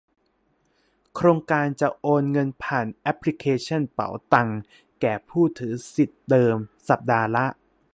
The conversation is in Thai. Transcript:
โครงการจะโอนเงินผ่านแอปพลิเคชันเป๋าตังแก่ผู้ถือสิทธิเดิม สัปดาห์ละ